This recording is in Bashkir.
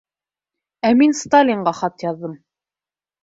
— Ә мин Сталинға хат яҙҙым.